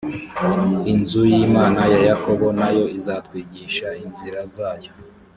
inzu y imana ya yakobo na yo izatwigisha inzira zayo